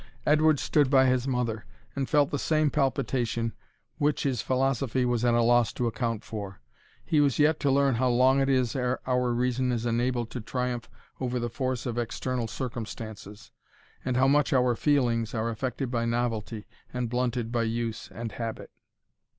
Edward stood by his mother, and felt the same palpitation, which his philosophy was at a loss to account for. He was yet to learn how long it is ere our reason is enabled to triumph over the force of external circumstances, and how much our feelings are affected by novelty, and blunted by use and habit.